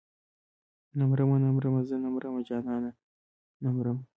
نه مرمه نه مرمه زه نه مرمه جانانه نه مرم.